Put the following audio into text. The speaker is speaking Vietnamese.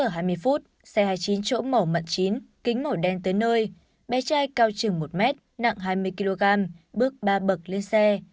sáu h hai mươi xe hai mươi chín chỗ mổ mận chín kính mổ đen tới nơi bé trai cao chừng một m nặng hai mươi kg bước ba bậc lên xe